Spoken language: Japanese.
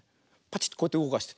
パチッてこうやってうごかして。